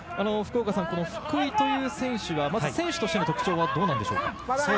福井という選手は選手としての特徴はどうでしょう？